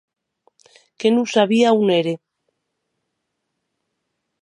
Que non sabia a on ère.